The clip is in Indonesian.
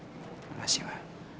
terima kasih ma